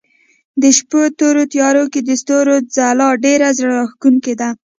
د شپو تورو تيارو کې د ستورو ځلا ډېره زړه راښکونکې ده.